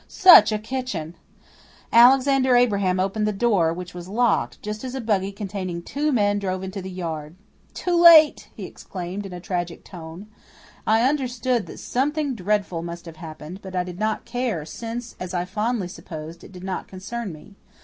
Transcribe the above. Such a kitchen! Alexander Abraham opened the door which was locked just as a buggy containing two men drove into the yard. "Too late!" he exclaimed in a tragic tone. I understood that something dreadful must have happened, but I did not care, since, as I fondly supposed, it did not concern me.